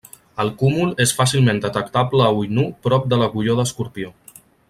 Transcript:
El cúmul és fàcilment detectable a ull nu prop de l'agulló d'Escorpió.